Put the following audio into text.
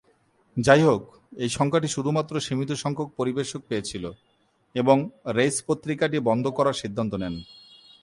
যাইহোক, এই সংখ্যাটি শুধুমাত্র সীমিত সংখ্যক পরিবেশক পেয়েছিল এবং রেইস পত্রিকাটি বন্ধ করার সিদ্ধান্ত নেন।